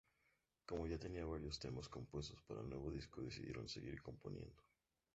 Como ya tenían varios temas compuestos para el nuevo disco decidieron seguir componiendo.